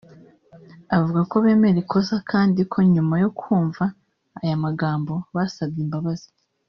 avuga ko bemera ikosa kandi ko nyuma yo kumva aya magambo basabye imbabazi